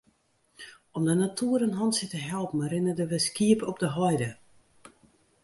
Om de natoer in hantsje te helpen rinne der wer skiep op de heide.